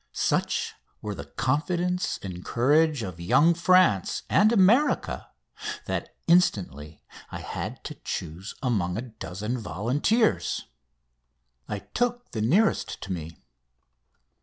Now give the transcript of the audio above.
Such were the confidence and courage of young France and America that instantly I had to choose among a dozen volunteers. I took the nearest to me.